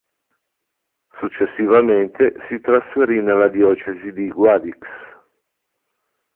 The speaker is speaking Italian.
Successivamente si trasferì nella diocesi di Guadix.